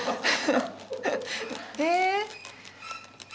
えっ。